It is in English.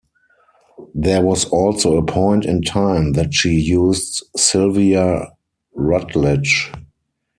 There was also a point in time that she used Sylvia Rutledge.